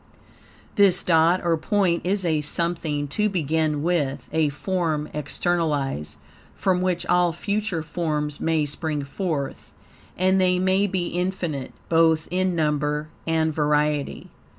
This dot or point is a something to begin with, a form externalized, from which all future forms may spring forth, and they may be infinite, both in number and variety.